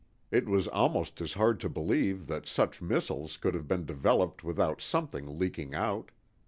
It was almost as hard to believe that such missiles could have been developed without something leaking out.